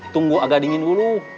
tunggu agak dingin dulu